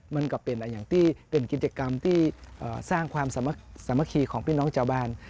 มันก็เป็นกิโดยการสร้างความสามัคคีของพี่น้องชาวบ้าน